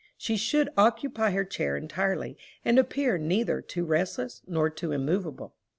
She should occupy her chair entirely, and appear neither too restless, nor too immovable.